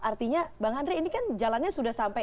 artinya bang andre ini kan jalannya sudah sampai